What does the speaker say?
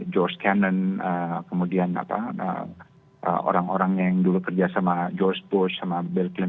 george cannon kemudian orang orang yang dulu kerja sama george bush sama bill clinton